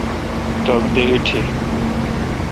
ٹک دے ایٹھی۔